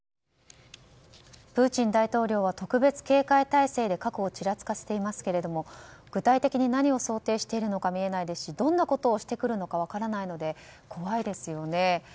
プーチン大統領は特別警戒態勢で核をちらつかせていますけれども具体的に何を想定しているのか見えないですしどんなことをしてくるか分からないので怖いですよね。